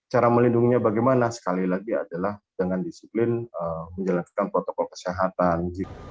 cara melindunginya bagaimana sekali lagi adalah dengan disiplin menjalankan protokol kesehatan